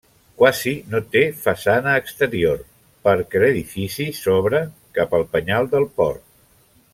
Quasi no té façana exterior, perquè l'edifici s'obre cap al penyal del port.